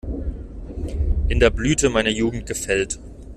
In der Blüte meiner Jugend gefällt.